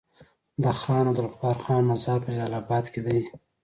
د خان عبدالغفار خان مزار په جلال اباد کی دی